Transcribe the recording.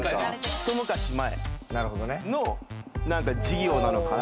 一昔前の事業なのかな？